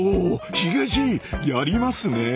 ヒゲじいやりますね。